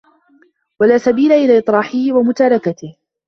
وَلَا سَبِيلَ إلَى إطْرَاحِهِ وَمُتَارَكَتِهِ